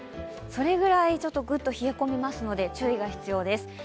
それぐらいグッと冷え込みますので、注意が必要です。